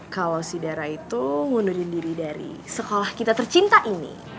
kalau si darah itu ngundurkan diri dari sekolah kita tercinta ini